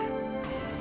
bapaknya sudah pulang